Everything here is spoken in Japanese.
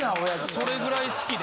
それぐらい好きで。